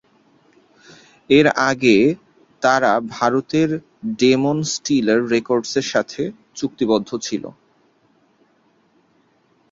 এর আগে তারা ভারতের ডেমন স্টিলার রেকর্ডসের সাথে চুক্তিবদ্ধ ছিল।